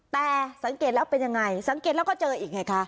แต่สังเกตแล้วเป็นยังไงสังเกตแล้วก็เจออีกไงคะ